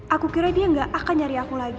aku kira dia gak akan nyari aku lagi